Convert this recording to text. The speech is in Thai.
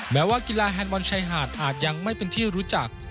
แม้ว่ากีฬาแฮนดบอลชายหาดอาจยังไม่เป็นที่รู้จัก